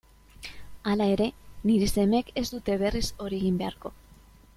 Hala ere, nire semeek ez dute berriz hori egin beharko.